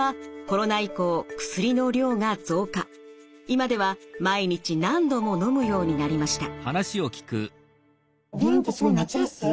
今では毎日何度ものむようになりました。